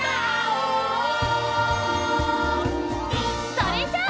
それじゃあ！